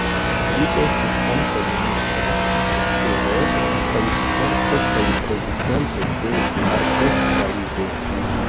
Li estis ankaŭ ministro pri kulturo kaj sporto kaj prezidanto de Maldekstra Ligo.